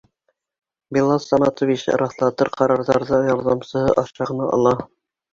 Билал Саматович раҫлатыр ҡарарҙарҙы ярҙамсыһы аша ғына ала.